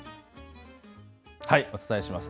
お伝えします。